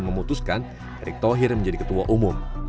memutuskan erick thohir menjadi ketua umum